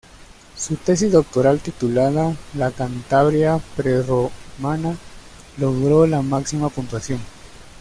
Su tesis doctoral, titulada "La Cantabria prerromana", logró la máxima puntuación.